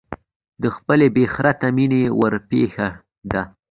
د خپلې بې خرته مینې ورپېښه ده.